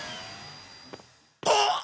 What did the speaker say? あっ！